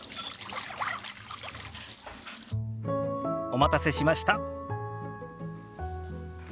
お待たせしました。